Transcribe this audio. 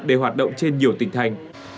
để hoạt động trên nhiều tỉnh thành